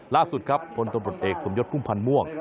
ล่าสุดครับพลตำรวจเอกสมยศพุ่มพันธ์ม่วง